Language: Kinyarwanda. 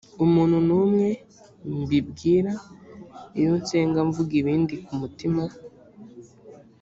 umuntu n umwe mbibwira iyo nsenga mvuga ibindi ku mutima